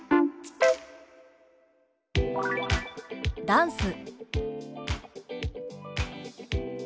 「ダンス」。